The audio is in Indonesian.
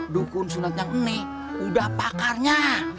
dukun sunatnya ini udah pakarnya